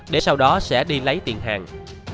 để sau đó sẽ đi lấy tiền hàng